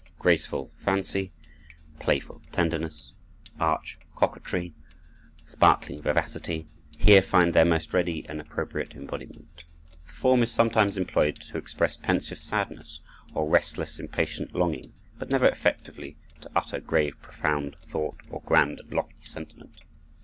Graceful fancy, playful tenderness, arch coquetry, sparkling vivacity, here find their most ready and appropriate embodiment. The form is sometimes employed to express pensive sadness or restless, impatient longing, but never effectively to utter grave, profound thought or grand and lofty sentiment.